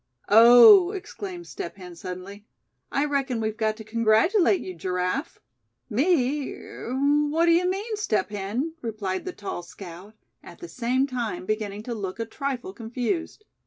"Oh!" exclaimed Step Hen, suddenly, "I reckon we've got to congratulate you, Giraffe." "Me? Er, what d'ye mean, Step Hen?" replied the tall scout, at the same time beginning to look a trifle confused.